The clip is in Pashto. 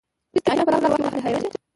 ته چې آيينه په لاس کې واخلې حيرانېږې